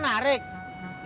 ini apaan sih